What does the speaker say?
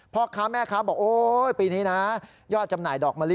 พ่อค้าแม่ค้าบอกโอ๊ยปีนี้นะยอดจำหน่ายดอกมะลิ